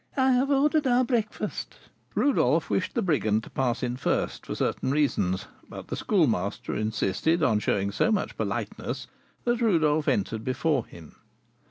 "I have ordered our breakfast." Rodolph wished the brigand to pass in first, for certain reasons; but the Schoolmaster insisted on showing so much politeness, that Rodolph entered before him.